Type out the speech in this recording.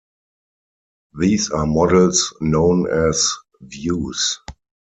These are models known as "views".